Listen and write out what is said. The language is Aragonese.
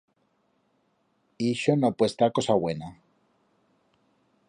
Ixo no puede estar cosa buena.